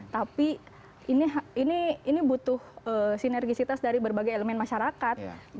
tapi ini butuh sinergisitas dari berbagai elemen masyarakat